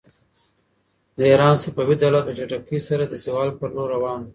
د ایران صفوي دولت په چټکۍ سره د زوال پر لور روان و.